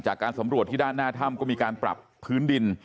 จากการสำรวจที่ด้านหน้าถ้ำก็มีการปรับพื้นดิน